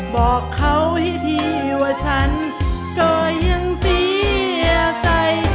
บอกเขาให้ทีว่าฉันก็ยังเสียใจ